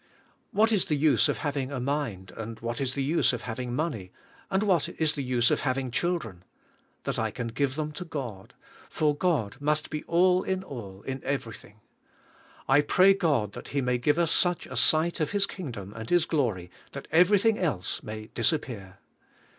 What is the use of having a mind ; and what is the use of having money; and what is the use of hav ing children? That I can give them to God; for God must be all in all in everything. I pray God that He may give us such a sight of His kingdom, and His glory, that everything else may di^rp pear.